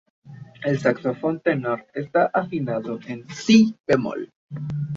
El saxofón tenor está afinado en "si" bemol.